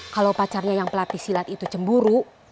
kalau pacarnya yang pelatih silat itu cemburu